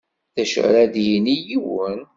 D acu ara d-yini yiwen?